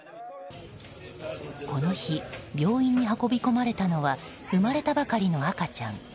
この日、病院に運び込まれたのは生まれたばかりの赤ちゃん。